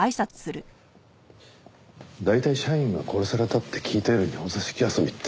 大体社員が殺されたって聞いた夜にお座敷遊びって。